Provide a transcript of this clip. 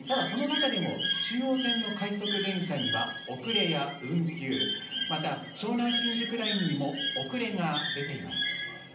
その中でも中央線の快速電車には遅れや運休、また、湘南新宿ラインにも遅れが出ています。